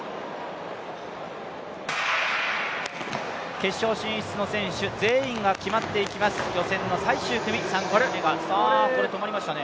決勝進出の選手全員が決まっていきます、ここで止まりましたね。